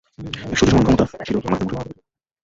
এক সূর্যসমান ক্ষমতা ছিল আমার হাতের মুঠোয়।